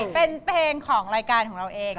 เป็นเพลงของรายการของเราเอง